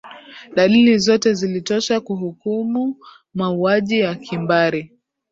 dalili zote zilitosha kuhukumu mauaji ya kimbari